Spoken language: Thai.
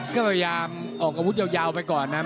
ก็พยายามออกอาวุธยาวไปก่อนนะ